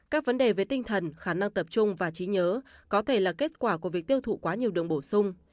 các vấn đề về tinh thần khả năng tập trung và trí nhớ có thể là kết quả của việc tiêu thụ quá nhiều đường bổ sung